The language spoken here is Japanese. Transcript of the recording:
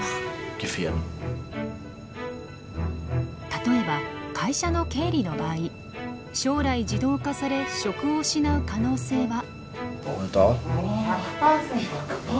例えば会社の経理の場合将来自動化され職を失う可能性は。